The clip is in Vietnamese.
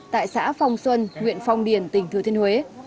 tại xã phong xuân huyện phong điền tỉnh thừa thiên huế